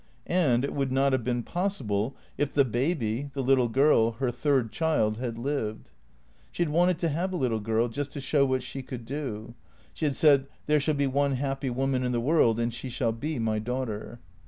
And it would not have been possible if the baby, the little girl, her third child, had lived. She had wanted to have a little girl, just to show what she could do. She had said, " There shall be one happy woman in the world and she shall be my daughter."